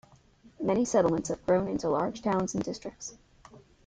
Many settlements have grown into large towns and districts.